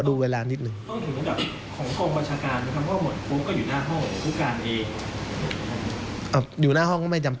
พระราชสนิทธิ์ผู้นี้ได้บรรดิกาตามนั้นหรือไม่